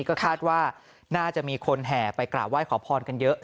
ก็คาดว่าน่าจะมีคนแห่ไปกราบไหว้ขอพรกันเยอะ